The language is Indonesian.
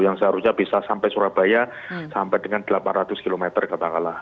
yang seharusnya bisa sampai surabaya sampai dengan delapan ratus kilometer kata allah